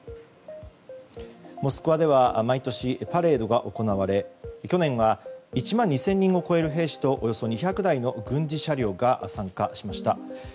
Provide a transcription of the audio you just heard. モスクワでは毎年パレードが行われ去年は１万２０００人を超える兵士とおよそ２００台の軍事車両が参加しました。